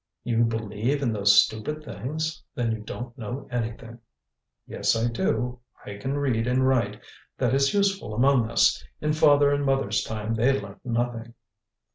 "You believe in those stupid things? Then you don't know anything." "Yes, I do. I can read and write. That is useful among us; in father and mother's time they learnt nothing."